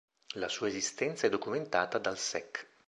La sua esistenza è documentata dal sec.